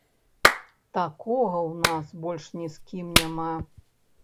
Такога ў нас больш ні з кім няма.